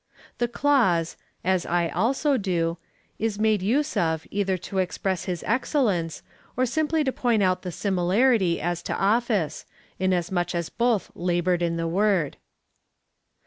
The clause — as I also do, is made use of, either to express his excellence, or simply to point out the similarity as to office, inasmuch as both laboured in the word.